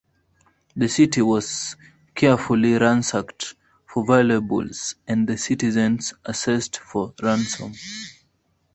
The city was carefully ransacked for valuables and the citizens assessed for ransom.